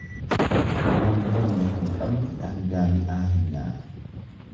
Namni humna hin qabne dhangaa mi'aa hin nyaatu.